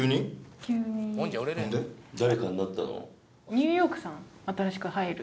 ニューヨークさん新しく入る。